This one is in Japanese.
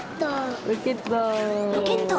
ロケット。